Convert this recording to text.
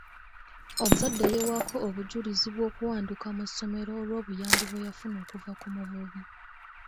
Omuzadde yeewaako obujulizi bw'okuwanduka mu ssomero olw'obuyambi bwe yafuna okuva ku muvubi.